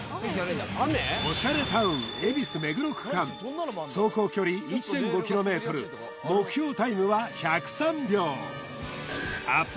オシャレタウン恵比寿・目黒区間走行距離１．５ｋｍ目標タイムは１０３秒アップ